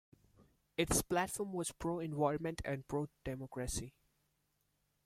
Its platform was pro-environment and pro-democracy.